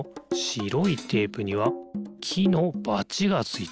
しろいテープにはきのバチがついてる。